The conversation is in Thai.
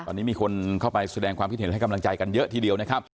ตอนนี้มีคนเข้าไปแสดงความคิดเห็นให้กำลังใจกันเยอะทีเดียวนะครับ